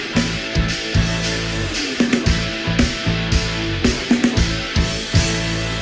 โปรดติดตามตอนต่อไป